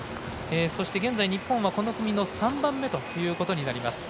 現在、日本はこの組の３番目ということになります。